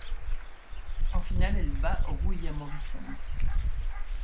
En finale, elle bat Ruia Morrison.